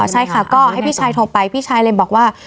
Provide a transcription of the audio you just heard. ใช่ค่ะก็ให้พี่ชายโทรไปพี่ชายเลยบอกว่า